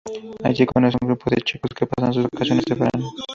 Allí conoce a un grupo de chicos que pasan sus vacaciones de verano.